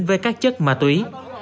với các chất ma túy